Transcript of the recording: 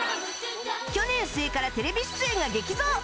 去年末からテレビ出演が激増！